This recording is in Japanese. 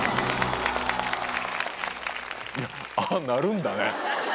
いやああなるんだね。